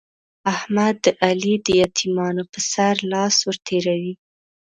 احمد د علي د يتيمانو پر سر لاس ور تېروي.